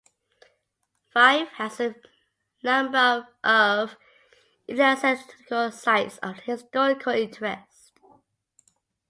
Fife has a number of ecclesiastical sites of historical interest.